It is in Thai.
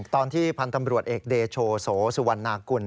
ตอนที่พันธ์ตำรวจเอกเดโชโสสุวรรณากุล